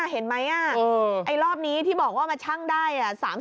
เห็นไหมไอ้รอบนี้ที่บอกว่ามาชั่งได้